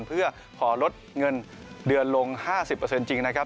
เพื่อขอลดเงินเดือนลง๕๐จริงนะครับ